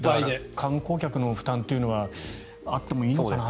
観光客の負担というのはあってもいいのかなと。